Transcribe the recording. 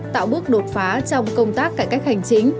tạo bước đột phá trong công tác cải cách hành chính